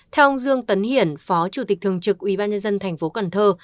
theo ông dương tấn hiển phó chủ tịch thường trực ubnd tp cần thơ